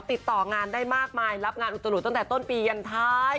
ติดต่องานได้มากมายรับงานอุตลุตั้งแต่ต้นปียันท้าย